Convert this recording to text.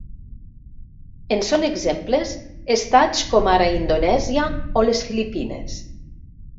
En són exemples estats com ara Indonèsia o les Filipines.